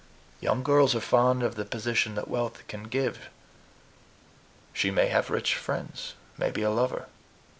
Young girls are fond of the position that wealth can give. She may have rich friends, maybe a lover."